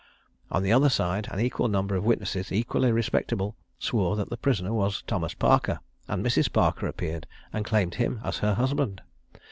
On the other side, an equal number of witnesses, equally respectable, swore that the prisoner was Thomas Parker; and Mrs. Parker appeared, and claimed him as her husband.